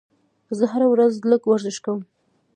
زه هره ورځ لږ ورزش کوم.